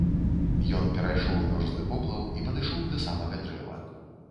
Ён перайшоў мёрзлы поплаў і падышоў да самага дрэва.